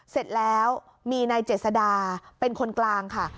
เสร็จแล้วมีนายเจษดาเป็นคนกลางค่ะ